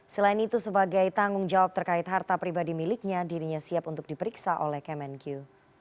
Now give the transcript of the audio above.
selain itu sebagai tanggung jawab terkait harta pribadi miliknya dirinya siap untuk diperiksa oleh kemenkyu